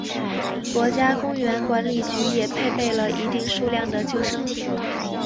国家公园管理局也配备了一定数量的救生艇。